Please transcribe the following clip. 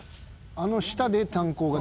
「あの下で炭鉱が？」